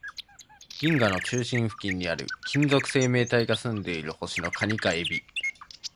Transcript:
銀河の中心付近にある、金属生命体が住んでいる星の蟹か海老